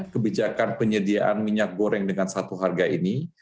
kebijakan penyediaan minyak goreng dengan satu harga ini